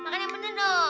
makan yang penuh dong